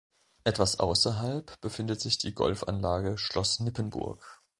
Etwas außerhalb befindet sich die Golfanlage Schloss Nippenburg.